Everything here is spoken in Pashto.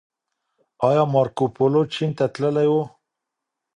ايا مارکوپولو چين ته تللی و؟